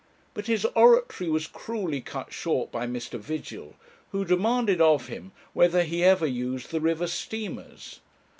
But his oratory was cruelly cut short by Mr. Vigil, who demanded of him whether he ever used the river steamers.